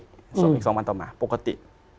ส่วนอีก๒วันต่อมาปกติ